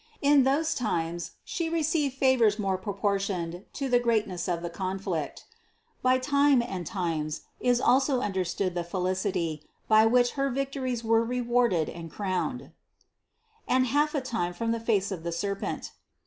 In those times She received favors more proportioned to the greatness of the con flict. By "time and times" is also understood the fe licity, by which her victories were rewarded and crowned. 129. "And half a time from the face of the serpent."